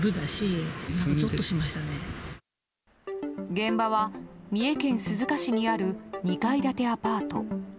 現場は三重県鈴鹿市にある２階建てアパート。